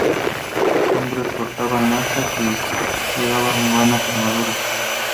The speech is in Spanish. Sus hombres portaban lanzas y llevaban buenas armaduras.